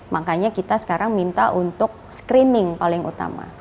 makanya kita sekarang minta untuk screening paling utama